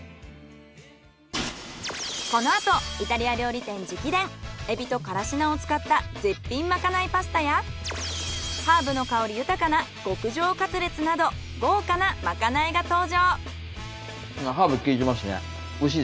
このあとイタリア料理店直伝エビとからし菜を使った絶品まかないパスタやハーブの香り豊かな極上カツレツなど豪華なまかないが登場。